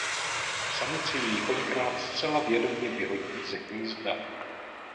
Samice jej kolikrát zcela vědomě vyhodí z hnízda.